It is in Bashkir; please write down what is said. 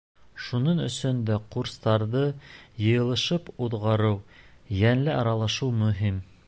Шуның өсөн дә курстарҙы йыйылышып уҙғарыу, йәнле аралашыу мөһим.